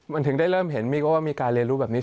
มันถึงได้เริ่มเห็นมีก็ว่ามีการเรียนรู้แบบนี้